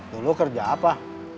dulu kerja apa